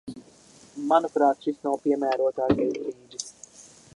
Manuprāt, šis nav piemērotākais brīdis.